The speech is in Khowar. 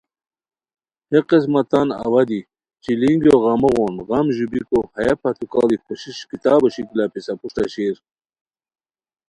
ہے قسمہ تان اوا دی چیلینگیو غمو غون غم ژیبیکو ہیہ پھتوکاڑی کوشش کتابو شکلہ پِسہ پروشٹہ شیر